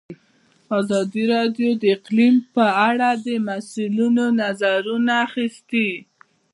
ازادي راډیو د اقلیم په اړه د مسؤلینو نظرونه اخیستي.